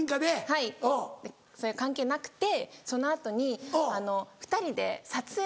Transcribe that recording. はいそれ関係なくてその後に２人で撮影をする。